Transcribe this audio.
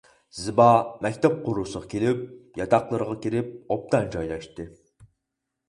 زىبا مەكتەپ قورۇسىغا كېلىپ، ياتاقلىرىغا كىرىپ ئوبدان جايلاشتى.